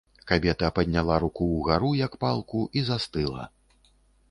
Кабета падняла руку ўгару, як палку, і застыла.